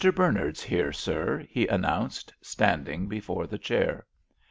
Bernard's here, sir," he announced, standing before this chair.